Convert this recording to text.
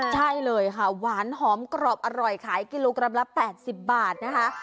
ใช่เลยค่ะหวานหอมกรอบอร่อยขายกิโลกรัมละ๘๐บาทนะคะ